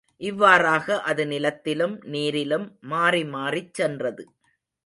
இவ்வாறாக அது நிலத்திலும் நீரிலும் மாறிமாறிச் சென்றது.